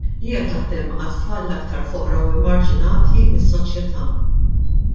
Hija taħdem għat-tfal l-aktar foqra u emarġinati mis-soċjetà.